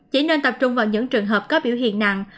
chỉ nên tập trung vào những trường hợp có biểu hiện nặng